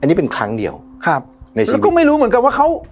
อันนี้เป็นครั้งเดียวครับในชีวิตก็ไม่รู้เหมือนกันว่าเขา